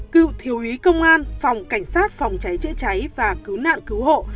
cựu thiếu ý công an phòng cảnh sát phòng cháy chữa cháy và cứu nạn cứu hộ